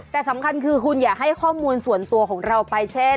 แต่สำคัญคือคุณอย่าให้ข้อมูลส่วนตัวของเราไปเช่น